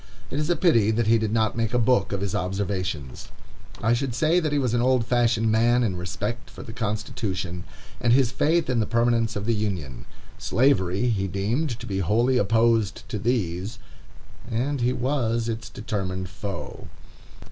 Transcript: It is a pity that he did not make a book of his observations. I should say that he was an old fashioned man in respect for the Constitution, and his faith in the permanence of this Union. Slavery he deemed to be wholly opposed to these, and he was its determined foe.